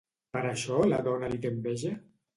Per això la dona li té enveja?